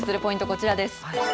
こちらです。